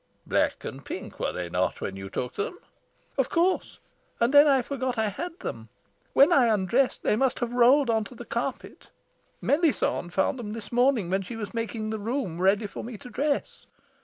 "Black and pink, were they not, when you took them?" "Of course. And then I forgot that I had them. When I undressed, they must have rolled on to the carpet. Melisande found them this morning when she was making the room ready for me to dress.